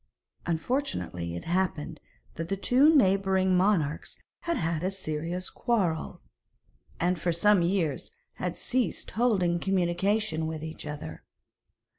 Unfortunately it happened that the two neighbouring monarchs had had a serious quarrel, and for some years had ceased holding communication with each other.